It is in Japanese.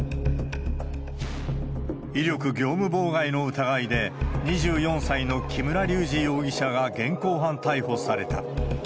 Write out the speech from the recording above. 威力業務妨害の疑いで、２４歳の木村隆二容疑者が現行犯逮捕された。